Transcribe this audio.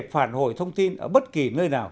phản hồi thông tin ở bất kỳ nơi nào